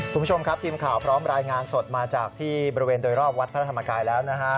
คุณผู้ชมครับทีมข่าวพร้อมรายงานสดมาจากที่บริเวณโดยรอบวัดพระธรรมกายแล้วนะฮะ